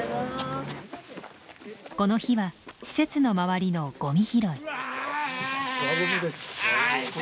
この日は施設の周りのゴミ拾い。